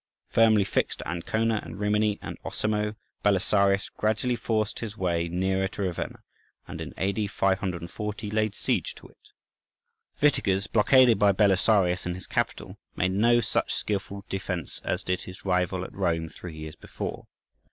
Firmly fixed at Ancona and Rimini and Osimo, Belisarius gradually forced his way nearer to Ravenna, and, in A.D. 540 laid siege to it. Witiges, blockaded by Belisarius in his capital, made no such skilful defence as did his rival at Rome three years before.